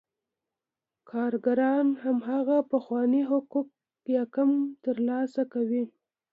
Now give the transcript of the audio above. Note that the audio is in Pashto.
کارګران هماغه پخواني حقوق یا کم ترلاسه کوي